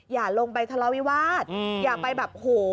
อย่าลงไปทะเลาวิวาสอย่าไปแบบโห